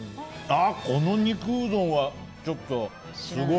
この肉うどんはちょっとすごい。